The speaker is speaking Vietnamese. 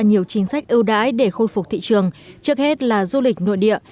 nhiều chính sách ưu đãi để khôi phục thị trường trước hết là du lịch nội địa